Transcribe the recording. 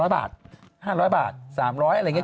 ๐บาท๕๐๐บาท๓๐๐อะไรอย่างนี้